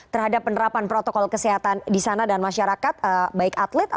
terima kasih sekali